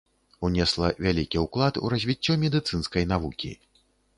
Унесла вялікі ўклад у развіццё медыцынскай навукі.